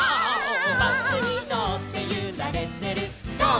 「バスにのってゆられてるゴー！